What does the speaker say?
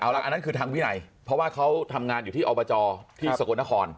อันนั้นคือทางวินัยเพราะว่าเขาทำงานอยู่ที่อบจที่สกลนคร